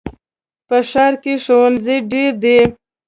په ښار کې ښوونځي ډېر دي.